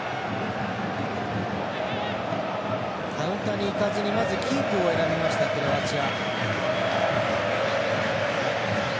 カウンターにいかずにキープを選びましたクロアチア。